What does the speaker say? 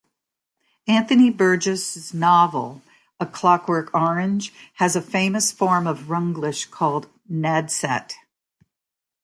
Anthony Burgess' novel "A Clockwork Orange" has a famous form of Runglish called Nadsat.